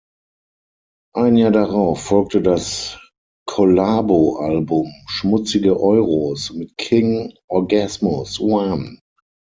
Ein Jahr darauf folgte das Kollabo-Album "Schmutzige Euros" mit King Orgasmus One.